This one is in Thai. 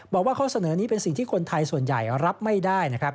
บอกว่าข้อเสนอนี้เป็นสิ่งที่คนไทยส่วนใหญ่รับไม่ได้นะครับ